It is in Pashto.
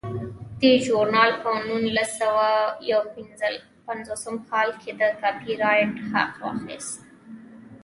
دې ژورنال په نولس سوه یو پنځوس کال کې د کاپي رایټ حق واخیست.